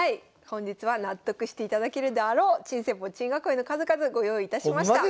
本日は納得していただけるであろう珍戦法・珍囲いの数々ご用意いたしました。